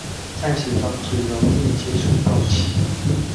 暫時防止溶液接觸空氣